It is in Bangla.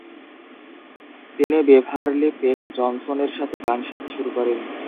তিনি বেভারলি পেক জনসনের সাথে গান শেখা শুরু করেন।